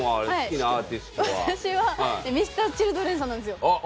私はＭｒ．Ｃｈｉｌｄｒｅｎさんなんですよ。